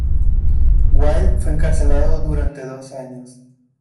Wilde fue encarcelado durante dos años.